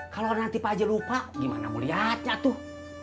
kalau nanti pak aja lupa gimana mau lihatnya tuh